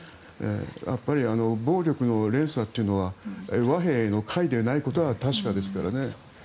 やっぱり暴力の連鎖というのは和平への解でないことは確かですからね。